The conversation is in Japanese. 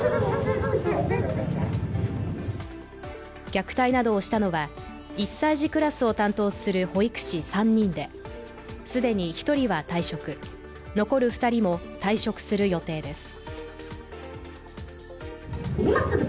虐待などをしたのは１歳児クラスを担当する保育士３人で既に１人は退職残る２人も退職する予定です。